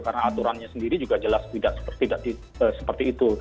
karena aturannya sendiri juga jelas tidak seperti itu